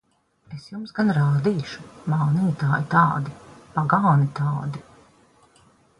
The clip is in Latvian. Es jums gan rādīšu! Mānītāji tādi! Pagāni tādi!